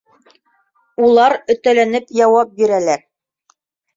Улар өтәләнеп яуап бирәләр.